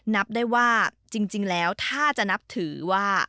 นับได้ว่าจริงแล้วถ้าจะนับถือว่า